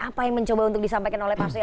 apa yang mencoba untuk disampaikan oleh pak surya